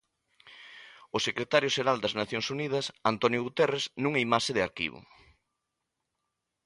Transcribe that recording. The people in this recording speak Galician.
O secretario xeral das Nacións Unidas, António Guterres, nunha imaxe de arquivo.